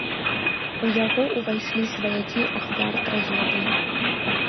У яго ўвайшлі сваякі ахвяр трагедыі.